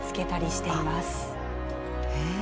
へえ！